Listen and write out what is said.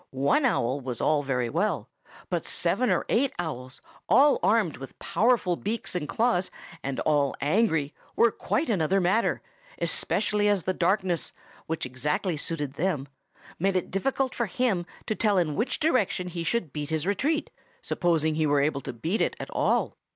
One owl was all very well; but seven or eight owls, all armed with powerful beaks and claws, and all angry, were quite another matter, especially as the darkness, which exactly suited them, made it difficult for him to tell in which direction he should beat his retreat, supposing he were able to beat it at all.